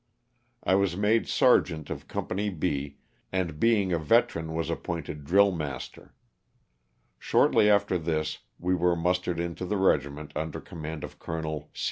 I was made Sergeant of Company B, and being a veteran was appointed drill master. Shortly after this we were mustered into the regiment under command of Col.